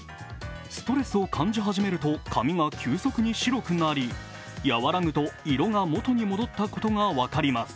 ストレスを感じ始めると、髪が急速に白くなり和らぐと色が元に戻ったことが分かります。